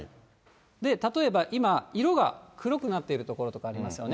例えば今、色が黒くなっている所とかありますよね。